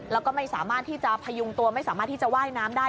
แล้วก็ไม่สามารถที่จะพยุงตัวไม่สามารถที่จะว่ายน้ำได้